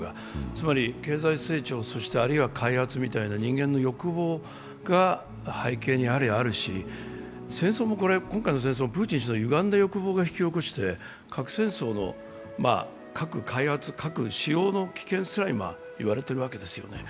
つまり経済成長、あるいは開発みたいな人間の欲望が背景にあるし、戦争も、今回の戦争はプーチン氏のゆがんだ欲望が引き起こして核戦争の、核開発、核使用の危険すら今、言われているわけです。